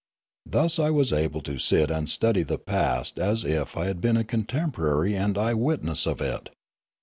Thus was I enabled to sit and study the past as if I had been a contemporary and eye witness of it.